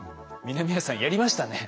南谷さんやりましたね。